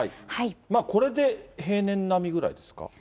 これで平年並みぐらいですか？